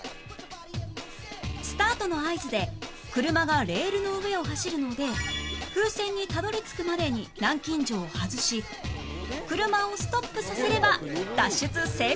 スタートの合図で車がレールの上を走るので風船にたどり着くまでに南京錠を外し車をストップさせれば脱出成功です